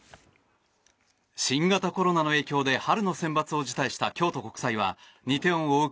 新型コロナの影響で春のセンバツを辞退した京都国際は２点を追う